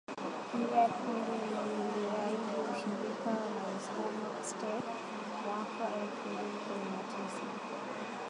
Pia kundi liliahidi ushirika na Islamic State mwaka elfu mbili kumi na tisa